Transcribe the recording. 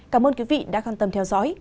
cảm ơn quý vị đã quan tâm theo dõi